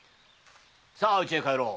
さあうちへ帰ろう。